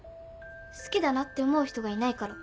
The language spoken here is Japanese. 好きだなって思う人がいないから